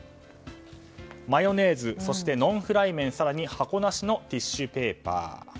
マヨネーズ、ノンフライ麺更に箱なしのティッシュペーパー。